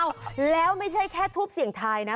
แล้วไม่ใช่แค่ทูปเสี่ยงทายนะ